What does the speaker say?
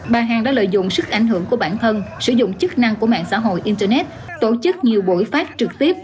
bà hằng đã lợi dụng sức ảnh hưởng của bản thân sử dụng chức năng của mạng xã hội internet tổ chức nhiều buổi phát trực tiếp